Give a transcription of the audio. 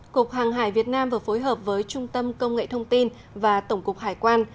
cục hàng hải việt nam vừa phối hợp với trung tâm công nghệ thông tin và tổng cục hải quan